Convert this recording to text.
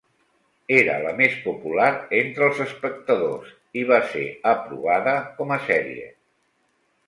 Era la més popular entre els espectadors, i va ser aprovada com a sèrie.